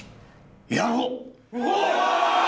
やろう！